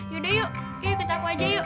yaudah yuk yuk ikut aku aja yuk